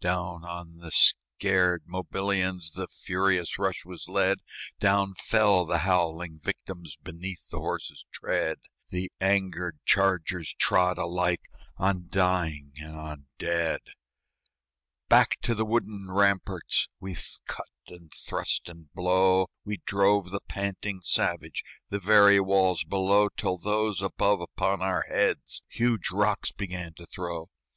Down on the scared Mobilians The furious rush was led; Down fell the howling victims Beneath the horses' tread; The angered chargers trod alike On dying and on dead. Back to the wooden ramparts, With cut and thrust and blow, We drove the panting savage, The very walls below, Till those above upon our heads Huge rocks began to throw.